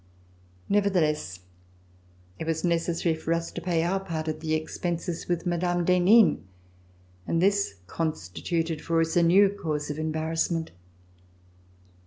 Nevertheless, it was necessary for us to pay our part of the expenses with Mme. d'Henin, and this con stituted for us a new cause of embarrassment.